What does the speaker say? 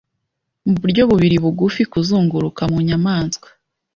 mu buryo bubiri bugufi Kuzunguruka mu nyamaswa